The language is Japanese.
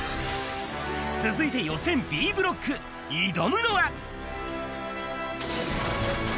続いて予選Ｂブロック、挑むのは。